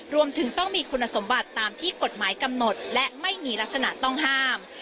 รวมถึงต้องมีคุณสมบัติตามที่กฎหมายกำหนดและไม่มีลักษณะต้องห้าม